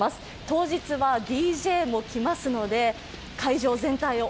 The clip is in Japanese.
当日はＤＪも来ますので会場全体を